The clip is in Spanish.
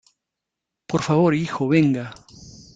por favor, hijo , venga.